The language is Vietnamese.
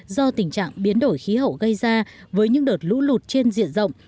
do tình trạng biến đổi khí hậu gây ra với những đợt lũ lụt trên diện rộng